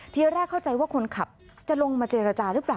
ทีแรกเข้าใจว่าคนขับจะลงมาเจรจาหรือเปล่า